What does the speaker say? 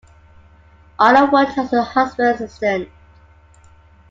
Anna worked as her husband's assistant.